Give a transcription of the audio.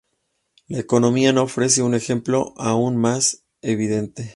La economía nos ofrece un ejemplo aún más evidente.